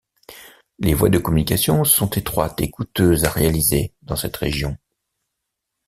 Les voies de communications sont étroites et coûteuses à réaliser dans cette région.